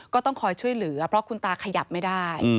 ก็ต้องคอยช่วยเหลือเพราะคุณตาขยับไม่ได้